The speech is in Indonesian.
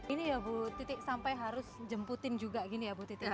ini ya bu titi sampai harus jemputin juga gini ya bu titi ya